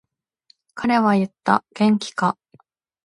彼は言った、元気か。